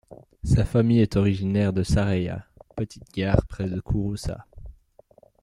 Sa famille est originaire de Saréya, petite gare près de Kouroussa.